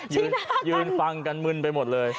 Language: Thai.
ชี้หน้ากันยืนฟังกันมึนไปหมดเลย